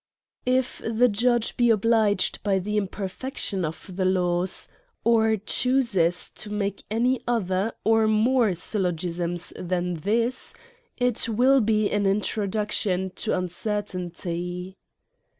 If the judge be obliged by the imperfection of the laws, or chooses to make any other or more syllogisms than this, it will be an introduction to uncertainty.